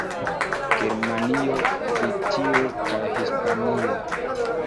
Germanio, Britio kaj Hispanio.